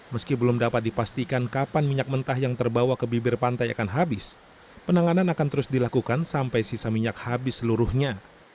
meski belum dapat dipastikan kapan minyak mentah yang terbawa ke bibir pantai akan habis penanganan akan terus dilakukan sampai sisa minyak habis seluruhnya